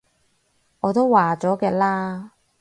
我都話咗嘅啦